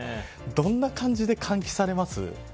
どんな感じで換気をされますか。